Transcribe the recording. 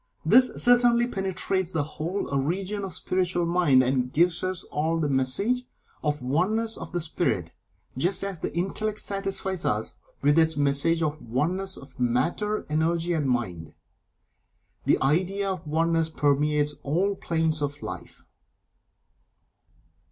This certainly penetrates the whole region of the Spiritual Mind, and gives us all the message of Oneness of the Spirit, just as the Intellect satisfies us with its message of the Oneness of Matter, Energy, and Mind. The idea of Oneness permeates all planes of Life.